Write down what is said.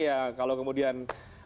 ya kalau kemudian